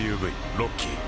ロッキー